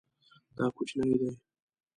دا کوچنی دی